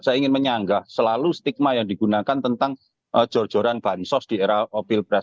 saya ingin menyanggah selalu stigma yang digunakan tentang jorjoran bansos di era pilpres